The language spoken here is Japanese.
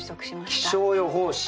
気象予報士。